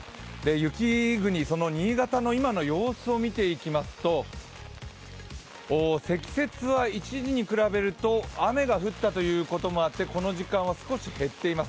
雪国、新潟の今の様子を見ていきますと、積雪は一時に比べると、雨が降ったということもあって、この時間は少し減っています。